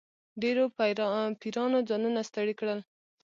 ډېرو پیرانو ځانونه ستړي کړل.